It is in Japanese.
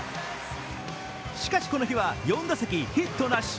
しかし、この日は４打席ヒットなし。